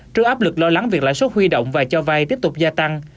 trước áp lực lo lắng việc lãi xuất huy động và cho vai tiếp tục gia tăng